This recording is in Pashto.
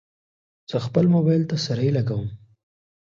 زه خپل موبایل ته سرۍ لګوم.